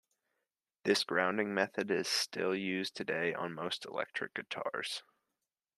This grounding method is still used today on most electric guitars.